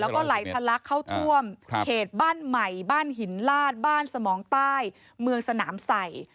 แล้วก็ไหลทะลักเข้าท่วมเขตบ้านใหม่บ้านหินลาดบ้านสมองใต้เมืองสนามใส่